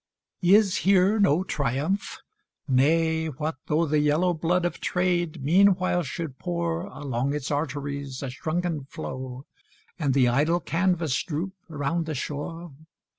VII. Is here no triumph? Nay, what though The yellow blood of Trade meanwhile should pour Along its arteries a shrunken flow, And the idle canvas droop around the shore?